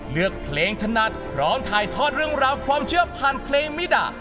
เลือกเพลงถนัดพร้อมถ่ายทอดเรื่องราวความเชื่อผ่านเพลงมิดะ